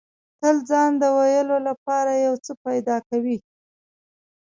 تل ځان له د ویلو لپاره یو څه پیدا کوي.